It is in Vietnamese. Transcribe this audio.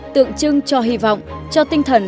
tượng trưng cho hy vọng cho tinh thần